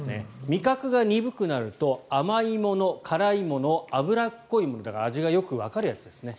味覚が鈍くなると甘いもの、辛いもの脂っこいもの、だから味がよくわかるものですね。